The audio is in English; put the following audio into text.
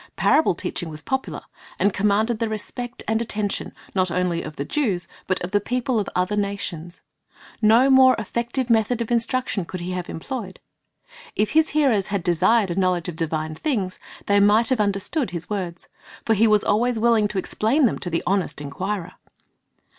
Parable teaching was popular, and commanded the respect and attention, not only of the Jews, but of the people of other nations. No more effective method of instruction could He have employed. If His hearers had desired a knowledge of divine things, they might have understood His words; for He was always willing to explain them to the honest inquirer.